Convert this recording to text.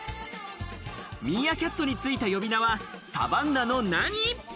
ミーアキャットについた呼び名はサバンナの何？